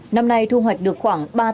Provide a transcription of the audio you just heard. năm nay thu hoạch được khoản phí lệ phí lệ phí